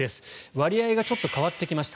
割合がちょっと変わってきました。